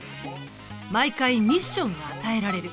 毎回ミッションが与えられる。